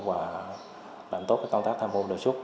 và làm tốt cái công tác tham hồn đề xuất